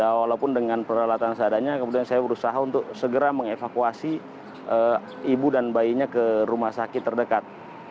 walaupun dengan peralatan seadanya kemudian saya berusaha untuk segera mengevakuasi ibu dan bayinya ke rumah sakit terdekat